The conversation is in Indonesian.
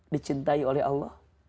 dicintai oleh allah